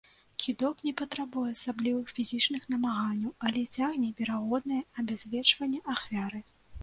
Кідок не патрабуе асаблівых фізічных намаганняў, але цягне верагоднае абязвечванне ахвяры.